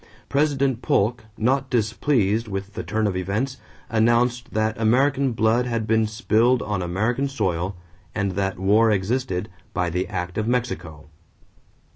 President Polk, not displeased with the turn of events, announced that American blood had been "spilled on American soil" and that war existed "by the act of Mexico."